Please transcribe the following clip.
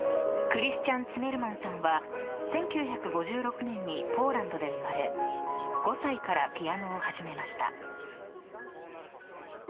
クリスチャン・ツィメルマンさんは１９５６年にポーランドで生まれ５歳からピアノを始めました。